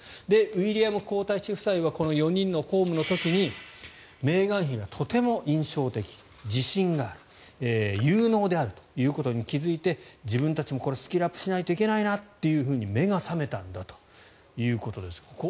ウィリアム皇太子夫妻はこの４人の公務の時にメーガン妃がとても印象的自信がある有能であるということに気付いて自分たちもこれはスキルアップしないといけないなと目が覚めたんだということです。